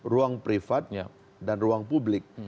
ruang privat dan ruang publik